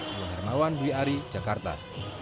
iwan hermawan dwi ari jakarta